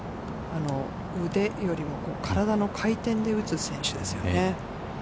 腕よりも体の回転で打つ選手ですよね。